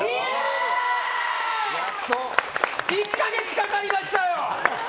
１か月かかりましたよ。